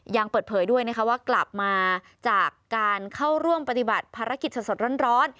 ยังเปิดเผยด้วยนะคะว่ากลับมาจากการเข้าร่วมปฏิบัติภารกิจสดร้อน